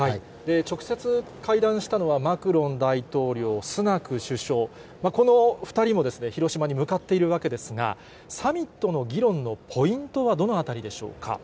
直接会談したのは、マクロン大統領、スナク首相、この２人も広島に向かっているわけですが、サミットの議論のポイントはどのあたりでしょうか。